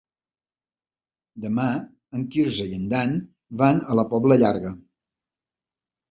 Demà en Quirze i en Dan van a la Pobla Llarga.